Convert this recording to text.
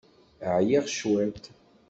Ɛyiɣ cwiṭ.